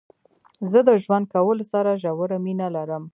زه د ژوند کولو سره ژوره مينه لرم.